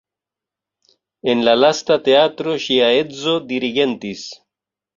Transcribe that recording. En la lasta teatro ŝia edzo dirigentis.